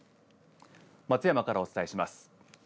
松山からお伝えします。